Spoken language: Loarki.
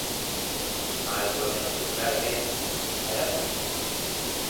ماري ڀولي ۾ جملا ايلايو ٺايا ھي